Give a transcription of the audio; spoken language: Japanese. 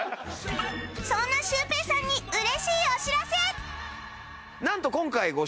そんなシュウペイさんに嬉しいお知らせ！